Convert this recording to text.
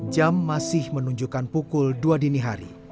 jam masih menunjukkan pukul dua dini hari